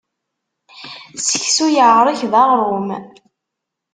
Seksu yeɛrek d aɣrum.